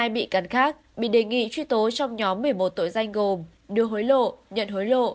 hai trăm năm mươi hai bị can khác bị đề nghị truy tố trong nhóm một mươi một tội danh gồm đưa hối lộ nhận hối lộ